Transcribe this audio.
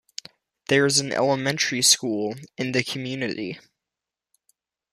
There is an elementary school in the community.